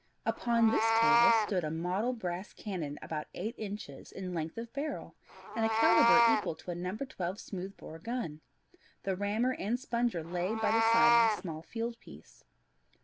Upon this table stood a model brass cannon about eight inches in length of barrel, and a calibre equal to a No. 12 smooth bore gun. The rammer and sponger lay by the side of the small field piece.